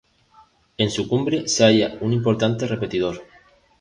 En su cumbre se halla un importante repetidor.